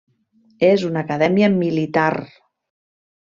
És una acadèmia militar.